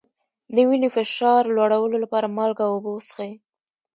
د وینې فشار لوړولو لپاره مالګه او اوبه وڅښئ